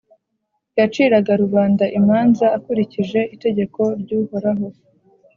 Yaciraga rubanda imanza akurikije itegeko ry’Uhoraho,